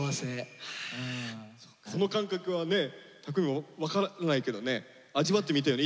その感覚はね拓実分からないけどね味わってみたいよね